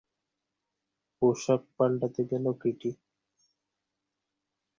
পোশাক পাল্টাতে গেল কিটি।